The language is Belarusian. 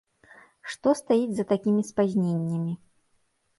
Што стаіць за такімі спазненнямі?